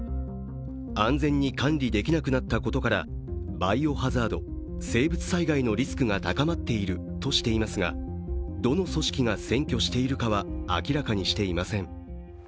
安全に管理できなくなったことからバイオハザード＝生物災害のリスクが高まっているとしていますがどの組織が占拠しているかは明らかにしていません。